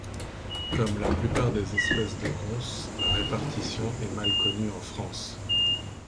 Comme la plupart des espèces de ronce, la répartition est mal connue en France.